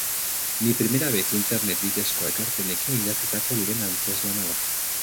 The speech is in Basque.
Mi primera vez internet bidezko ekarpenekin idatzitako lehen antzezlana da.